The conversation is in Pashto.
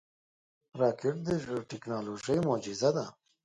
راکټ د ټکنالوژۍ معجزه ده